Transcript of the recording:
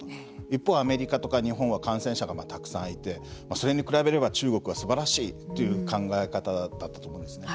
一方アメリカとか日本は感染者がたくさんいてそれに比べれば中国はすばらしいという考え方だったと思うんですね。